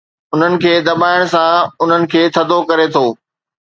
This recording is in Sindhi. . انهن کي دٻائڻ سان انهن کي ٿڌو ڪري ٿو.